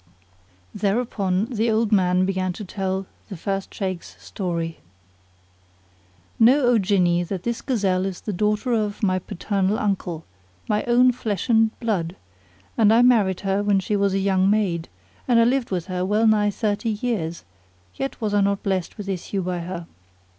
Thereupon the old man began to tell The First Shaykh's Story. Know O Jinni! that this gazelle is the daughter of my paternal uncle, my own flesh and blood, and I married her when she was a young maid, and I lived with her well nigh thirty years, yet was I not blessed with issue by her.